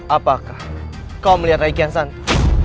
apakah kau melihat raikian sana